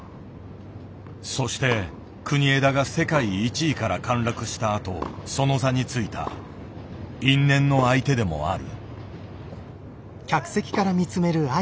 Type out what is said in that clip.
そして国枝が世界１位から陥落したあとその座についた因縁の相手でもある。